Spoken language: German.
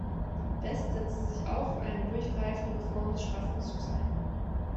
West setzte sich auch für eine durchgreifende Reform des Strafvollzugs ein.